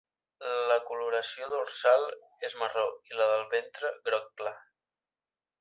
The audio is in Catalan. La coloració dorsal és marró i la del ventre groc clar.